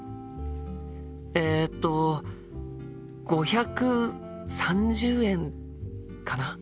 えっと５３０円かな？